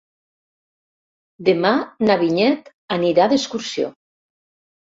Demà na Vinyet anirà d'excursió.